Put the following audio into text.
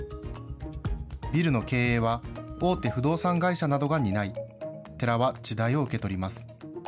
ビルの経営は、大手不動産会社などが担い、寺は地代を受け取ります。